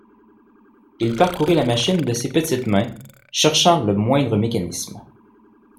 Il parcourut la machine de ses petites mains, cherchant le moindre mécanisme.